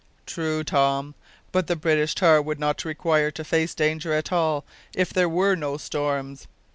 "True, Tom, but the British tar would not require to face danger at all if there were no storms.